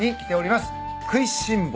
『くいしん坊』